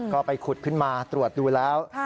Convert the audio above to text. ก็ไปขุดขึ้นมาตรวจดูแล้ว